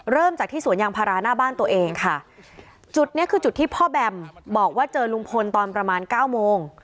เริ่มจากที่สวนยางพาราหน้าบ้านตัวเองค่ะจุดเนี้ยคือจุดที่พ่อแบมบอกว่าเจอลุงพลตอนประมาณเก้าโมง